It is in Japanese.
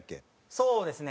そうですね。